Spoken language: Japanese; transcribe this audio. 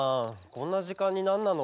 こんなじかんになんなの？